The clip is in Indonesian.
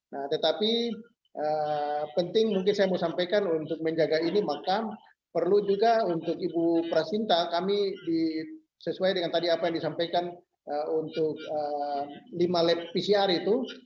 nah tetapi penting mungkin saya mau sampaikan untuk menjaga ini maka perlu juga untuk ibu prasinta kami sesuai dengan tadi apa yang disampaikan untuk lima lab pcr itu